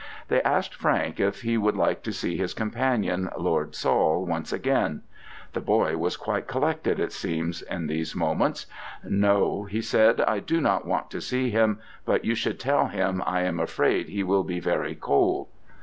They asked Frank if he would like to see his companion, Lord Saul, once again. The boy was quite collected, it appears, in these moments. "No," he said, "I do not want to see him; but you should tell him I am afraid he will be very cold."